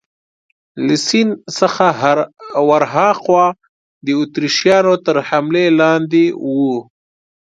له سیند څخه ورهاخوا د اتریشیانو تر حملې لاندې وو.